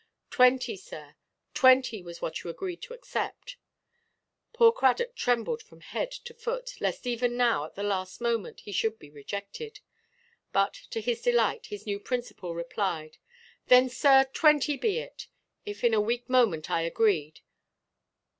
"Twenty, sir, twenty was what you agreed to accept." Poor Cradock trembled from head to foot, lest even now, at the last moment, he should be rejected. But, to his delight, his new principal replied, "Then, sir, twenty be it: if in a weak moment I agreed.